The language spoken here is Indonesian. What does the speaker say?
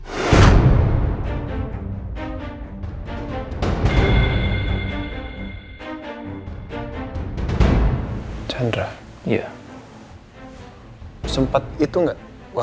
sedangkan akhirnya akhirnya dia bilang karena mereka memang kelewatan yang sama